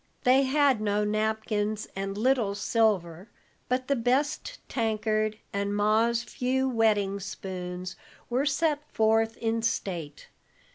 They had no napkins and little silver; but the best tankard and Ma's few wedding spoons were set forth in state.